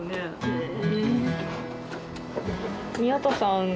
へえ！